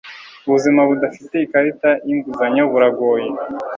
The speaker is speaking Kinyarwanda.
Ubuzima budafite ikarita yinguzanyo buragoye.